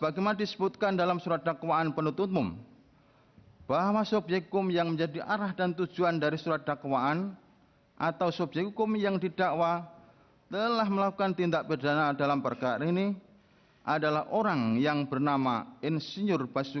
kepulauan seribu kepulauan seribu